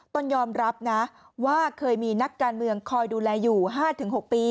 ตนยอมรับนะว่าเคยมีนักการเมืองคอยดูแลอยู่๕๖ปี